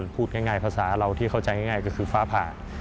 พูดง่ายภาษาเราที่เข้าใจง่ายก็คือฟ้าผ่า